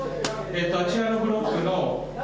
あちらのブロックの。